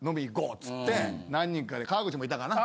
っつって何人かで河口もいたかな？